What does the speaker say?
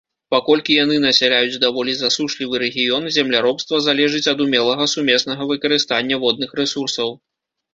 Паколькі яны насяляюць даволі засушлівы рэгіён, земляробства залежыць ад умелага сумеснага выкарыстання водных рэсурсаў.